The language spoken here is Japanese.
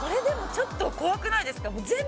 ちょっと怖くないですか？